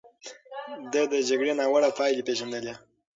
ده د جګړې ناوړه پايلې پېژندلې.